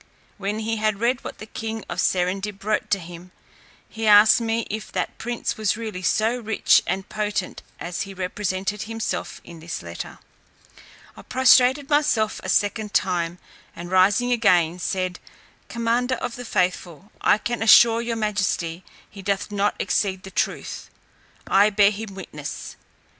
When he had read what the king of Serendib wrote to him, he asked me, if that prince were really so rich and potent as he represented himself in his letter? I prostrated myself a second time, and rising again, said, "Commander of the faithful, I can assure your majesty he doth not exceed the truth. I bear him witness.